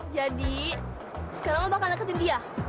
jadi sekarang lo bakal neketin dia